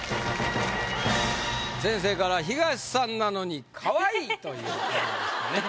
先生から「東さんなのにかわいい！」ということですね。